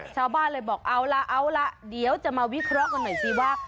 ชาวบ้านเลยบอกเอาล่ะเอาล่ะเดี๋ยวจะมาวิเคราะห์กันหน่อยสิว่า